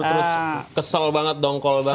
terus kesel banget dongkol banget